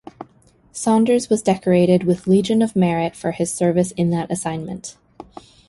Saunders was decorated with Legion of Merit for his service in that assignment.